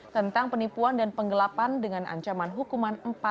tentang penipuan dan penggelapan dengan ancaman hukuman empat tahun penjara